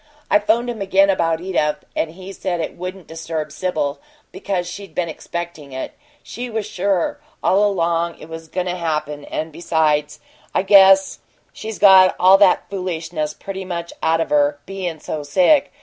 I 'phoned him again about Edith, and he said it wouldn't disturb Sibyl, because she'd been expectin' it; she was sure all along it was goin' to happen; and, besides, I guess she's got all that foolishness pretty much out of her, bein' so sick.